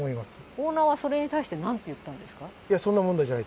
オーナーはそれに対してなんと言ったんですか。